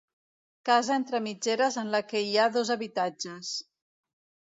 Casa entre mitgeres en la que hi ha dos habitatges.